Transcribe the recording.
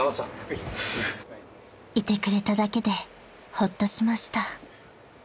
［いてくれただけでほっとしました］